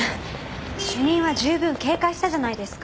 主任は十分警戒したじゃないですか。